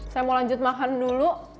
saya mau lanjut makan dulu